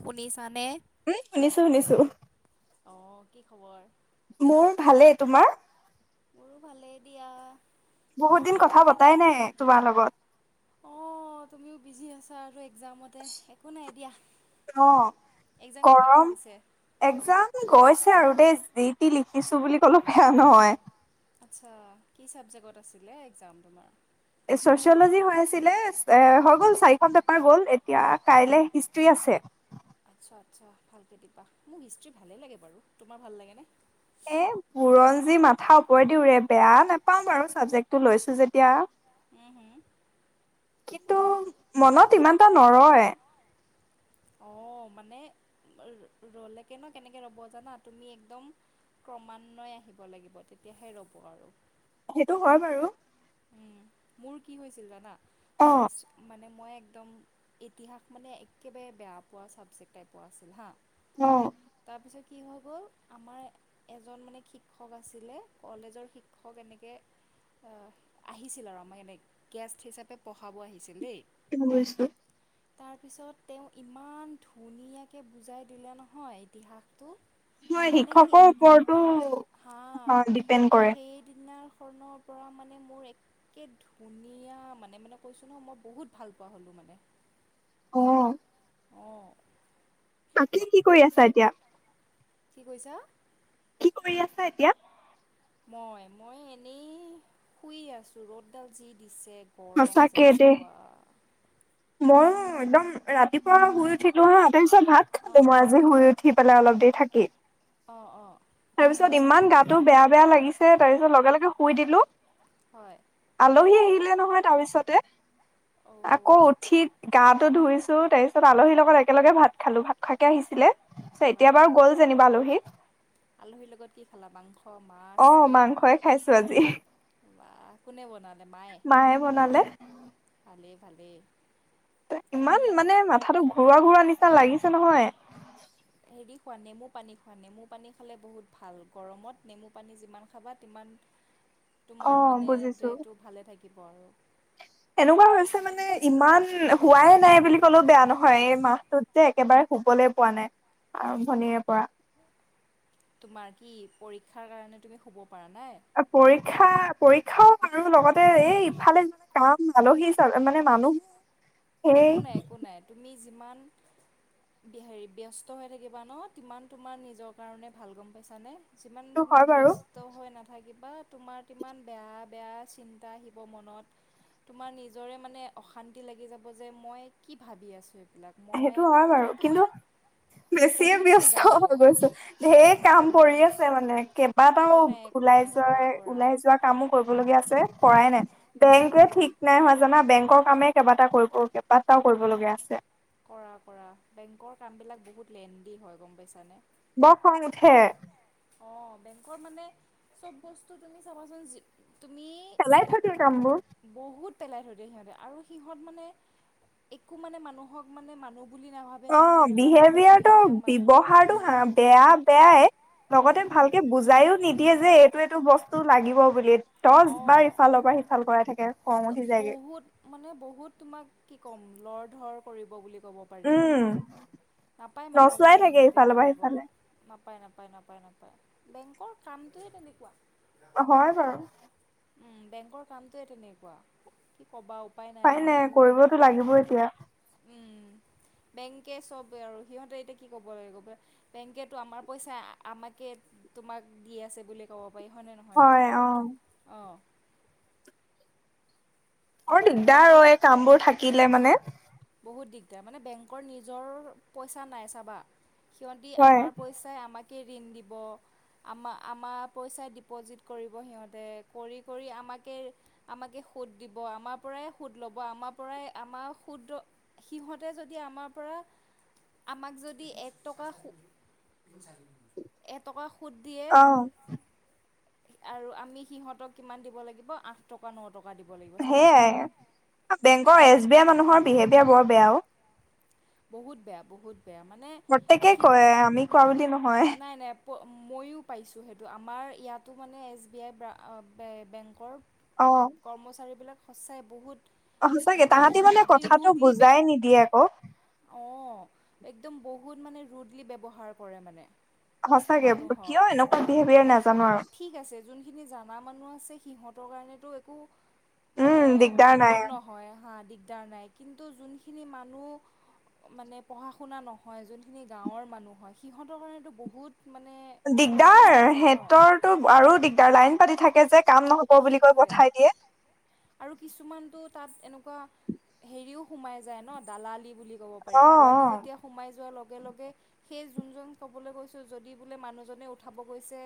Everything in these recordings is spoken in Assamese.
শুনিছানে? উম, শুনিছো-শুনিছো। অ' কি খবৰ? মোৰ ভালেই তোমাৰ? মোৰো ভালেই দিয়া। বহুত দিন গৰম কথা কে পতাই নাই তোমাৰ লগত। অ', তুমিও বিজি আছা আৰু। এক্সামতে একো নাই দিয়া অ এক্সাম কেনেকুৱা গৰম হৈছে। একজাম গৈছে আৰু দেই যি টি লিখিছো বুলি কলো বেয়া নহয়। আচ্ছা', কি চাবজেক্টট আছিলে এক্সাম তোমাৰ? চচিয়লজি হৈ আছিলে এ হৈ গ'ল, চাৰি পেপাৰ গল এতিয়া কাইলে হিষ্টি আছে। আচ্ছা-আচ্ছা, ভালকে দিবা। মো হিষ্টি ভালেই লাগে বাৰু তোমাৰ ভাল লাগেনে? এ বুৰঞ্জী মাথা ওপৰেদি উৰে, বেয়া নাপাও বাৰু চাবজেক্টটো লৈছো যেতিয়া। উম' হম', কিন্তু মনত ইমানটা নৰয়। অঁ মানে ৰ'লেকে ন কেনেকৈ ৰ'ব জানা তুমি একদম ক্ৰমান্বয়ে আহিব লাগিব, তেতিয়াহে ৰ'ব আৰু। সেইটো হয় বাৰু। উম' মোৰ কি হৈছিল জানা? অ মই মানে মই একদম ইতিহাস মানে একেবাৰে বেয়া পোৱা ছাবজেক্ট টাইপ আছিল হাঁ, অ। কি হৈ গ'ল আমাৰ এজন মানে শিক্ষক আছিলে কলেজৰ শিক্ষক এনেকে। আহিছিল আৰু আমাৰ এনে গেষ্ট হিচাপে পঢ়াব আহিছিল দেই। অ বুজিছোঁ। তাৰ পিছত তেওঁ ইমান ধুনীয়াকে বুজাই দিলে নহয় ইতিহাস। হয় শিক্ষকৰ ওপৰতো হা ডিপেণ্ড কৰে। সন্ ওপৰা মানে। মোৰ একে ধুনীয়া মানে মানে কৈছোঁ নহয় মই বহুত ভাল পোৱা হ'লোঁ মানে। অ। অঁ তাকে কি কৰি আছা এতিয়া? কি কৈছা? কি কৰি আছা এতিয়া? মই মই এনেই শুই আছো, ৰ'দডাল যি দিছে। গৰম সঁচাকে দেই। যেনেকুৱা। ময়ো একদম ৰাতিপুৱা শুই উঠিলো হা। তাৰ পিছত ভাত খালো অঁ মই আজি শুই উঠি পেলাই অলপ। দে অঁ অঁ থাকিত। তাৰপিছত ইমান গাটো বেয়া বেয়া লাগিছে তাৰ পিছত লগে লগে। শুই দিলোঁ। হয় আলহী আহিলে। নহয় তাৰ পিছতে। অ। গাটো ধুইছো তাৰপিছত আলহীৰ লগত একেলগে ভাত খালো ভাত খোৱাকে আহিছিলে। এতিয়া বাহ বাৰু গ'ল যেনিবা আলহীত, আলহীৰ লগত কি খালা মাংস মাছ আহ মাংসই খাইছো আজি। বা কোনে বনালে? মায়ে বনালে। এ ত ইমান মানে মাথাতো ঘূৰোৱা ঘূৰোৱা নিচি। লাগিছে নহয়। হেৰি খোৱা নেমু পানী খোৱা, নেমু পানী খালে বহুত ভাল গৰমত নেমু পানী যিমান খাবা তিমান। তোমাৰ অ' মানে বুজিছো। দেহটো ভালে থাকিব। থাকিব আৰু। এনেকুৱা হৈছে, মানে ইমান হোৱাই নাই বুলি কলেও বেয়া নহয়। এই মাহটোত যে একেবাৰে শুবলে পোৱা নাই আৰম্ভণিৰে পৰা। তোমাৰ কি পৰীক্ষাৰ কাৰণে তুমি হুব। পৰীক্ষা পৰীক্ষা। খাওঁ আৰু লগতে এই ইফালে কাম আলহী মানে মানুহ একো নাই সেইটো একো নাই তুমি যিমান হেৰি ব্যস্ত হৈ থাকিবা ন সিমান তোমাৰ নিজৰ কাৰণে ভাল গম পাইছানে। যিমান তুমি হয় বাৰু ব্যস্ত হৈ নাথাকিবা। বা তোমাৰ কিমান বেয়া বেয়া চিন্তা আহিব মনত তোমাৰ নিজৰে মানে অশান্তি লাগি যাব। যে মই কি ভাবি আছো। সেইটো হয় বাৰু কিন্তু বেছিয়ে বহুত ব্যস্ত চিন্তা হৈ আহিব গৈছো ধেইৰ কাম ভাল ভাল পৰি ভাল আছে মানে কেইবাটাও একো নাই একো ওলাই নাই কৰা যোৱা কৰা ওলাই যোৱা কামো কৰিবলগীয়া আছে। পৰাই নাই বেংকে উম, ঠিক নাই হয় জানা বেংকৰ কামে কেইবাটা কৰিব কেইবাটাও কৰিব লগীয়া আছে। কৰা কৰা বেংকৰ কাম বিলাক বহুত লেজি হয় গম পাইছানে। ব খং উঠে। অ বেংকৰ মানে চব বস্তু তুমি চাবাচোন। তুমি চলাই থাকে কামবোৰ বহুত পেলাই থৈ দিয়ে সিহঁতে আৰু সিহঁত মানে একো মানে মানুহক মানে মানুহ বুলি নাভাবে অ জানো এনেকুৱা টাইপকে বিহেভিয়াৰ সিহঁতে তটো আমাক ব্যৱহাৰটো বেয়া, বেয়াই লগতে উম, ভালকে বুজাইও নিদিয়ে, দিয়ে যে এইটো এইটো বস্তু লাগিব বুলি। দহ অঁ বাৰ ইফালৰ পৰা সিফাল কৰাই থাকে। খং উঠি যায়গে। বহুত মানে বহুত তোমাক কি ক'ম লৰ ধৰ কৰিব বুলি ক'ব পাৰি আৰু উম, নাপায় মানুহক নচোৱাই ইমান থাকে এনেকে ইফালৰ পৰা কৰিব। সিফালে নাপায় নাপায় নাপায় নাপায় বেংকৰ কামটোৱে তেনেকুৱা। হয় বাৰু উম বেংকৰ কামটোৱে তেনেকে, কোৱা কি কবা? উপায় নাই পাই ন কৰিবতো লাগিব এতিয়া, উম উম বেংকে চবেই আৰু সিহঁতে এতিয়া কি ক'ব লাগিব বেংকেতো আমাৰ পইচা আমাকে তোমাক দি আছে বুলি ক'ব বাৰ হয়নে নহয় বাৰু হয় অ'। অঁ। অৰ দিগদাৰ অ বেংকৰ এই কামবোৰ থাকিলে মানে, বহুত দিগদাৰ মানে বেংকৰ নিজৰ পইচা নাই চাবা। সিহতি হয় আমাৰ পইচাই আমাক ঋণ দিব আমা আমাৰ পইচাই ডিপজিট কৰিব সিহঁতে কৰি কৰি আমাকে আমাকে সুদ দিব আমাৰ পৰাই সুদ ল'ব আমাৰ পৰাই আমাৰ সুদ সিহঁতে যদি আমাৰ পৰা আমাক যদি এটকা এটকা শুদ্ধিয়ে অ'। আৰু আমি সিহঁতক কিমান দিব লাগিব আঁঠ টকা ন টকা। দিব লাগিব চাবাচোন সেইয়াই, বেংকৰ এছ বি আই মানুহৰ বিহেভিয়াৰ বৰ বেয়া অ। বহুত বেয়া বহুত। বেয়া মানে প্ৰত্যেকেই সি কয় আমি কোৱা বুলি নহয়। নাই, নাই। ময়ো পাইছোঁ সেইটো আমাৰ ইয়াতো মানে এছ বি আই বেংকৰ। কৰ্মচাৰী বিলাক। সঁচাই বহুত। অ সচাকে তাহাঁতি মানে কথাটো বুজাই নিদিয়ে আকৌ। অ একদম বহুত মানে ৰুডলি ব্যৱহাৰ কৰে মানে। সঁচাকে কিয় মানুহক এনেকোৱা বিহেভিয়াৰ নাজানো। আৰু ঠিক আছে যোনখিনি জানা মানুহ আছে। সিহঁতৰ কাৰণেতো একো উম মানে দিগদাৰ নাই বিপদ নহয় হা দিগ দিগদাৰ নাই কিন্তু যোনখিনি মানুহ মানে পঢ়া শুনা নহয় যোনখিনি গাঁৱৰ মানুহ হয় সিহঁতৰ কাৰণেতো বহুত। মানে প্ৰব্লেম হৈ দিগদাৰ যায় ন সিহঁতৰ। টো আৰু দিগদাৰ লাইন পাতি থাকে যে। কাম নহব বুলি কৈ সেইটোৱে পঠাই দিয়ে আৰু কিছুমানতটো তাত এনেকোৱা। এনেকোৱা হেৰিও সোমায় যায় ন দালালি। বুলি ক'ব পাৰি, অ অ দালালি যেতিয়া সোমাই যোৱা লগত লগে লগে সেই যোনজন কবলৈ গৈছো যদি বোলে মানুহজনে উঠাব গৈছে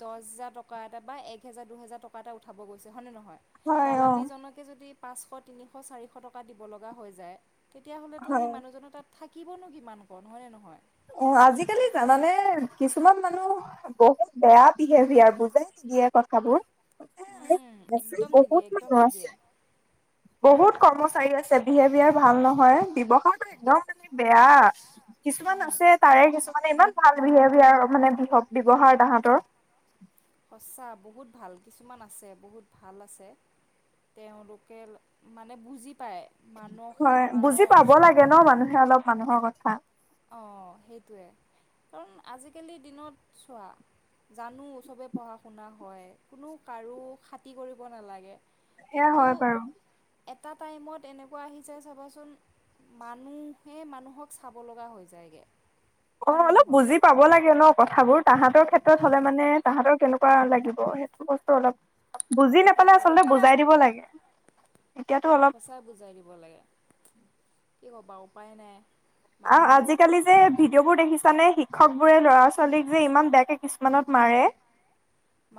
দহ হেজাৰ টকা এটা বা এক হেজাৰ দুহেজাৰ টকা। পাটা উঠাব গৈছে। হয়নে নহয়, হয় অ দালালিজনকে যদি পাঁচশ, তিনিশ, চাৰিশ টকা দিব লগা হৈ যায়। তেতিয়া হ'লেতো সেই হয় মানুহজনৰ তাত থাকিবনো কিমান কন হয়নে নহয়? অ আজিকালি জানা নে মানে কিছুমান মানুহ বহুত বেয়া বিহেভিয়াৰ বুজাই নিদিয়ে কথাবোৰ। উম, একদম নিদিয়ে বহুত একদম মানু্হ আছে। নিদিয়ে বহুত কৰ্মচাৰী আছে বিহেভিয়াৰ ভাল নহয় ব্যৱসায়টো একদম মানে বেয়া কিছুমান আ উম, কিছুমানে ইমান ভাল বিহেভিয়াৰ মানে বিহ ব্যৱহাৰ তাহতৰ। সঁচা বহুত ভাল, কিছুমান আছে বহুত ভাল আছে, তেওঁলোকে মানে বুজি পায়। মানসি হয় মান বুজি পাব লাগে ন মানুহে অলপ মানুহৰ কথা। অ সেইটোৱে কাৰণ আজিকালি দিনত চোৱা, জানো চবেই পঢ়া শুনা হয় কোনো কাৰো খাতি কৰিব নালাগে। সেয়া কিন্তু হয় বাৰু। এটা টাইমত এনেকুৱা আহি যায় চাবাচোন মানুহে মানুহক চাব লগ হৈ যায়গে। অ অলপ বুজি পাব লাগে ন কথাবোৰ। তাহাঁতৰ ক্ষেত্ৰত হ'লে মানে তাহাঁতৰ কেনেকুৱা লাগিব সেইটো বস্তু অলপ বুজি নাপালে সেইটোৱে আচলতে বুজাই দিব লাগে। এতিয়াতো অলপ সঁচাই বুজাই দিব লাগে কি ক'বা উপায় নাই। অ মানুহ আজিকালি যে ভিডিঅ' বোৰ দেখিছ নে শিক্ষক বোৰে ল'ৰা ছোৱালীক যে ইমান বেয়াকে কিছুমানত মাৰে।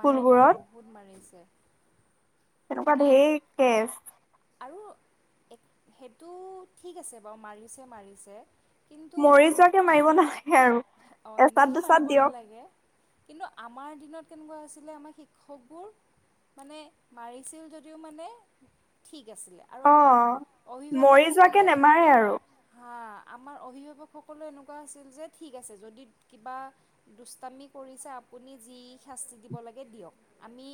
মাৰে মাৰে বহুত মাৰিছে। তেনেকুৱা মানে ঢেৰ কেছ আৰু সেইটো ঠিক আছে বাৰু মাৰিছে মাৰিছে কিন্তু মৰি যোৱাকে মাৰিব নালাগে আৰু, অঁ এচাত সেনেকৈ মাৰিব দুচাত দিয়ক। নালাগে কিন্তু আমাৰ দিনত কেনেকুৱা আছিলে আমাৰ শিক্ষকবোৰ, মানে মাৰিছিল যদিও মানে ঠিক আছিলে আৰু অ আমাৰ মৰি যোৱাকে অভিভাৱকসকলে, নেমাৰে আৰু হাঁ আমাৰ অভিভাৱকসকলো এনেকুৱা আছিল যে ঠিক আছে যদি কিবা দুষ্টামি কৰিছে আপুনি যি শাস্তি দিব লাগে দিয়ক, আমি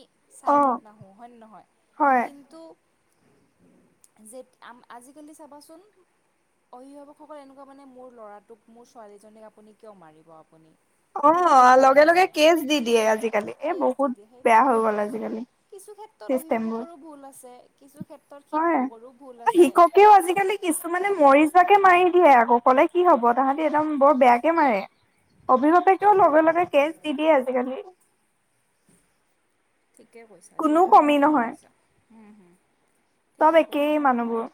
অ চাইডত নাহো হয় নে নহয়, হয় কিন্তু যে আজিকালি চাবাচোন, অভিভাৱকসকল এনেকুৱা মানে মোৰ ল'ৰাটোক মোৰ ছোৱালী জনীক আপুনি কিয় মাৰিব আপুনি অ এনেকুৱা টাইপো লগে লগে হৈছে কেচ দি দিয়ে আজিকালি, এ কেছ দি বহুত বেয়া হৈ গ'ল আজিকালি। ত চিষ্টেমবোৰ অভিভাৱকৰো ভুল আছে। কিছু ক্ষেত্ৰত হয়, শিক্ষকৰো ভুল আছে শিক্ষকেও আজিকালি কিছুমানে মৰি যো কে মাৰি দিয়ে আকৌ ক'লে কি হ'ব তাহাঁতি একদম বৰ বেয়াকে মাৰে। অভিভাৱে কিয় লগ লগে লগে কেছ দি দিয়ে আজিকালি। ঠিকে কৈছা দেই কোনো একদম কমি ঠিকে নহয় কৈছা, হুম হুম, চব ঠিকে একেই কৈছা। মানুহবোৰ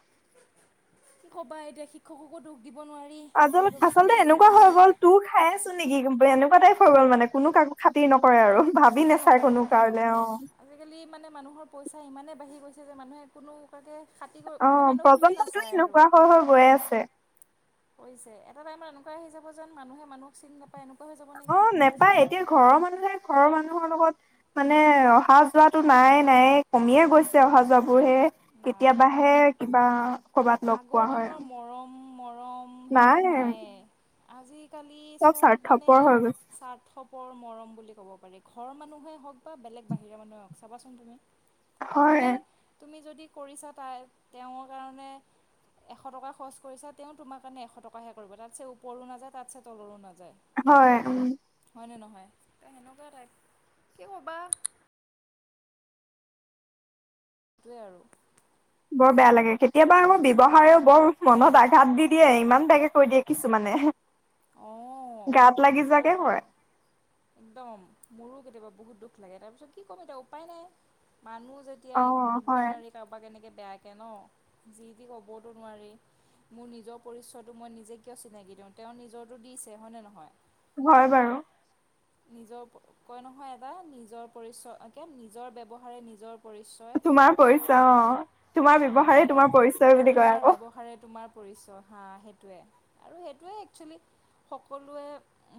কি কবা এতিয়া শিক্ষককো দুখ আজল আচলতে এনেকুৱা হৈ নোৱাৰি গ'ল তোৰ খাই আছো নেকি, এনেকুৱা টাইপ হৈ গল মানে কোনো কাকো খাতি নকৰে আৰু ভাবি খতি নাচাই নকৰে কোনো -খতি কাৰলে অ নকৰে, আজিকালি মানে মানুহৰ পইচা ইমানেই বাঢ়ি গৈছে যে, মানুহে কোনো কাকে খাতি মানে এহ্ অ মানুহ বুলিয়ে প্ৰজন্মটোই এনেকুৱা হৈ হৈ গৈয়ে আছে। হৈছে এটা টাইমত এনেকুৱাই আহি যাব যেন মানুহে মানুহক চিন নেপা অ, নেপায় এতিয়া ঘৰৰ মানুহে ঘৰৰ মানুহৰ লগত মানে অহা যোৱাটো নাই নায়েই কমিয়ে গৈছে অহা যোৱাবোৰ হে নাই কেতিয়াবাহে আজি কিবা কবাত লগ আগৰ পোৱা হয়। দিনৰ মৰম নাই নাই। আজিক আজিকালি চব মানে গৈছে স্বাৰ্থপৰ মৰম বুলি ক'ব পাৰি ঘৰৰ মানুহেই হওক বা বেলেগ বাহিৰা মানুহে হওক চাবাচোন তুমি হয় চবেই তুমি যদি ক কৰিছা তাই তেওঁৰ কাৰণে, এশ টকা খৰচ কৰিছা, তেওঁ তোমাৰ কাৰণে এশ টকাহে কৰিব। তাতছে ওপৰো নাযায় তাতছে তলৰো নাযা হয়। উ হয়, তাই সেনেকুৱা টাইপ কি ক'বা? সেইটোৱে আৰু ঢিপ ঢিপ। বৰ বেয়া লাগে কেতিয়াবা আমাৰ ব্যৱহাৰেও বৰ মনত আঘাত দি দিয়ে ইমান বেয়াকে কৈ দিয়ে কিছুমানে এ হে। অ অ অহ। আৰু যে হয় একদম মোৰ ও কেতিয়াবা বহুত দুখ লাগে, তাৰপিছত কি কম এতিয়া উপায় নাই। মানুহ যেতিয়া অ একো ক'ব ও হয় নোৱাৰি কাৰোবাক এনেকে বেয়াকে ন, যি তি ক'বওতো নোৱাৰি। মোৰ নিজৰ পৰিচয়টো মই নিজে কিয় চিনাকি দিওঁ তেওঁ নিজৰো দিছে হয়নে নহয়। হয় বাৰু নিজৰ ওপৰত কয় নহয় এটা নিজৰ পৰিচয়কে নিজৰ ব্যৱহাৰে নিজৰ পৰিচয় তোমাৰ পৰিচয় অ অ অ। তোমাৰ অঁ ব্যৱহাৰে দে তোমাৰ পৰিচয় বুলি কয় তোমাৰ আকৌ ব্যৱহাৰে তোমাৰ পৰিচয় হাঁ সেইটোৱে আৰু সেইটোৱে একচুৱেলি সকলোৱে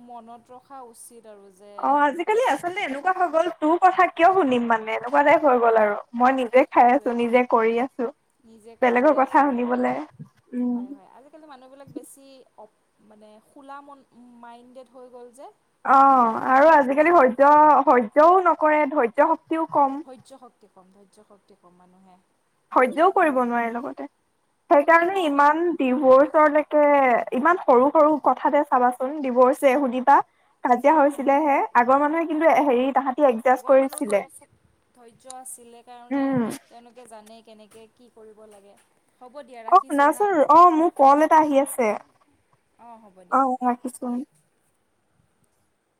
মনত ৰখা উচিত। আৰু যে অ আজিকালি আচলতে এনেকুৱা হৈ গ'ল তোৰ কথা কিয় শুনিম মানে এনেকুৱা টাইপ হৈ গ'ল আৰু মই নিজে খাই সেইটোৱে আছো নিজে কৰি আছো নিজে কৰি বেলেগৰ কথা আছোঁ শুনিবলে উম হয় হয় আজিকালি মানুহবিলাক বেছি অপ মানে খোলা মন মাইণ্ডেড হৈ গ'ল যে, অ আৰু আজিকালি সয্য সয্যয়ও নকৰে ধৈৰ্য্য শক ধৈৰ্য্য শক্তি কম ধৈৰ্য্য শক্তি কম মানুহে কোনোৱে সহ্যও কৰিব নুশুনে নোৱাৰে লগতে। তুমি সেইকাৰণে নৰ্মেল ইমান ডিভৰ্চৰ নে তে ইমান সৰু সৰু কথাতে চাবাচোন ডিভৰছে শুনিবা। কাজিয়া উম হৈছিলে হে আগৰ মানুহে কি কিন্তু এ হেৰি তাহাঁত আগৰ মানুহ ধৈৰ্য্য আছিলে কাৰণে উম তেওঁলোকে জানে, কেনেকৈ কি কৰিব লাগে। হ'ব দিয়া অ ৰাখিছোঁ হা শুনাচোন অ মোৰ কল এটা আহি আছে অঁ হ'ব দিয়া অহ ৰাখিছোন